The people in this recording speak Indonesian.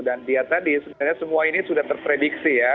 dan lihat tadi sebenarnya semua ini sudah terprediksi ya